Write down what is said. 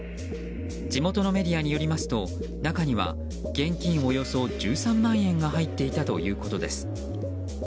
地元のメディアによりますと中には現金およそ１３万円が入っていたということです。